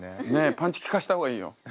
パンチ効かせた方がいいよ。